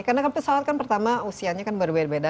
karena pesawat kan pertama usianya kan berbeda beda